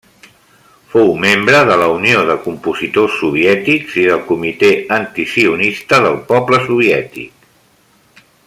Fou membre de la Unió de Compositors Soviètics i del Comitè antisionista del poble soviètic.